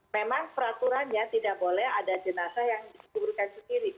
memang peraturannya tidak boleh ada jenazah yang diberikan sendiri